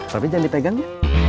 tapi jangan dipegang ya